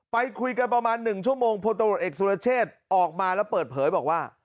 ไปคุยกันประมาณ๑ชั่วโมงพลตำรวจเอกสุรเชษออกมาแล้วเปิดเผยบอกว่า